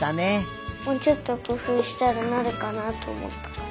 もうちょっとくふうしたらなるかなあとおもった。